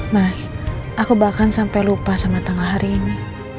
mas aku bahkan sampai lupa sama tanggal hari ini